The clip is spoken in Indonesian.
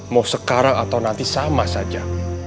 mau sekarang atau nanti sama saja